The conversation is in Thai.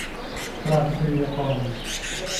ตราไปรษณียากร